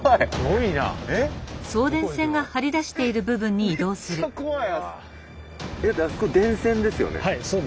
いやめっちゃ怖い！